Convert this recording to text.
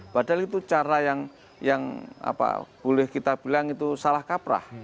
padahal itu cara yang boleh kita bilang itu salah kaprah